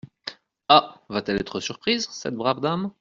Ah ! va-t-elle être surprise, cette brave dame !…